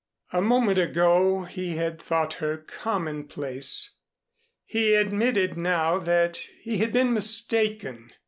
A moment ago he had thought her commonplace. He admitted now that he had been mistaken.